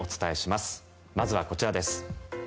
まずはこちらです。